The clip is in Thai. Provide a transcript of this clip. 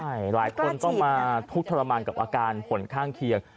ใช่หลายคนต้องมาทุกข์ทรมานกับอาการผลข้างเคียง